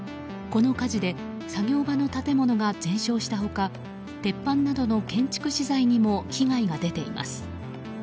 この火事で作業場の建物が全焼した他鉄板などの建築資材にも被害が出ています。